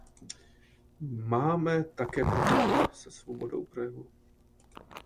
Máme také problémy se svobodou projevu.